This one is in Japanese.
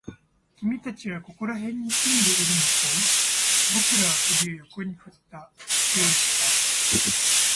君たちはここら辺に住んでいるのかい？僕らは首を横に振った。否定した。